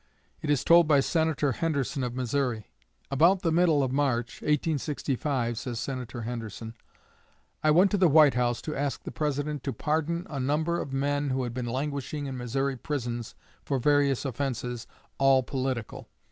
It is told by Senator Henderson of Missouri. "About the middle of March, 1865," says Senator Henderson, "I went to the White House to ask the President to pardon a number of men who had been languishing in Missouri prisons for various offenses, all political.